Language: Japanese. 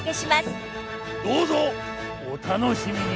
どうぞお楽しみに！